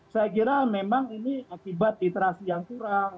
saya kira memang ini akibat literasi yang kurang